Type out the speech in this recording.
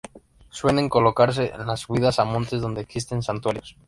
Suenen colocarse en las subidas a montes donde existen santuarios.